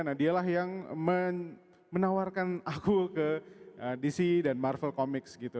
nah dialah yang menawarkan aku ke dc dan marvel comics gitu